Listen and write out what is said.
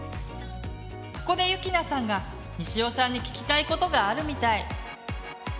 ここでゆきなさんがにしおさんに聞きたいことがあるみたい。